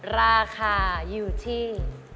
ราคาอยู่ที่